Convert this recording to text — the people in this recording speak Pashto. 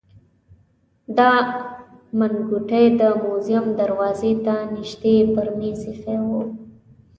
دا منګوټی د موزیم دروازې ته نژدې پر مېز ایښی و.